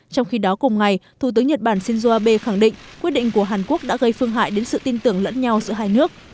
trong khi đó cùng ngày thủ tướng nhật bản shinzo abe khẳng định quyết định của hàn quốc đã gây phương hại đến sự tin tưởng lẫn nhau giữa hai nước